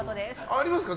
ありますか？